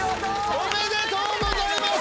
おめでとうございます